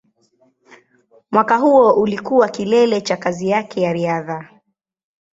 Mwaka huo ulikuwa kilele cha kazi yake ya riadha.